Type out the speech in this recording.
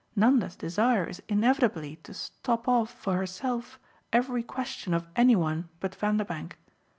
Nanda's desire is inevitably to stop off for herself every question of any one but Vanderbank.